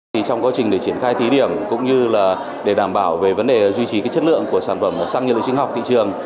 thì trong quá trình để triển khai thí điểm cũng như là để đảm bảo về vấn đề duy trì chất lượng của sản phẩm xăng nhiên liệu sinh học thị trường